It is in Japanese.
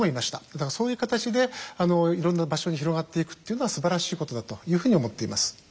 だからそういう形でいろんな場所に広がっていくっていうのはすばらしいことだというふうに思っています。